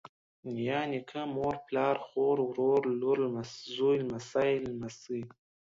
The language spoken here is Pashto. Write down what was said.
نيا، نيکه، مور، پلار، خور، ورور، لور، زوى، لمسۍ، لمسى